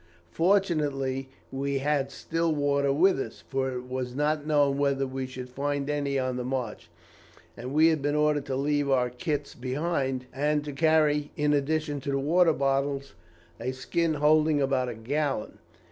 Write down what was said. Fortunately, we had still water with us, for it was not known whether we should find any on the march, and we had been ordered to leave our kits behind, and to carry, in addition to the water bottles, a skin holding about a gallon.